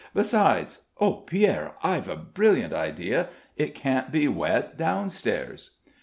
Besides oh, Pierre! I've a brilliant idea! It can't be wet down stairs."